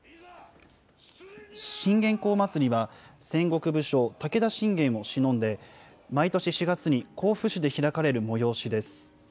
信玄公祭りは、戦国武将、武田信玄をしのんで、毎年４月に甲府市で開かれる催しです。